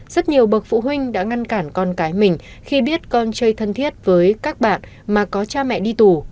rất nhiều bậc phụ huynh đã ngăn cản con cái mình khi biết con chơi thân thiết với các bạn mà có cha mẹ đi tù